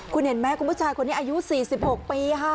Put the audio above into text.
คุณเห็นไหมคุณผู้ชายคนนี้อายุ๔๖ปีค่ะ